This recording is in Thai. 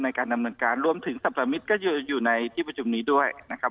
ในการดำเนินการรวมถึงสรรพมิตรก็อยู่ในที่ประชุมนี้ด้วยนะครับ